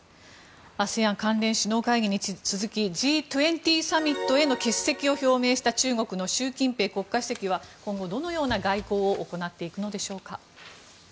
ＡＳＥＡＮ関連首脳会議に続きＧ２０サミットへの欠席を表明した中国の習近平国家主席は今後、どのような外交を行っていくのでしょうか。